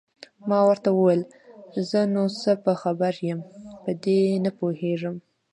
ما ورته وویل: زه نو څه په خبر یم، په دې نه پوهېږم.